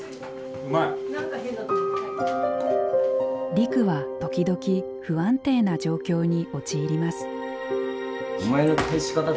リクは時々不安定な状況に陥ります。